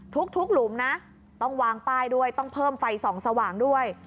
ทุกหลุมนะต้องวางป้ายด้วยต้องเพิ่มไฟส่องสว่างด้วย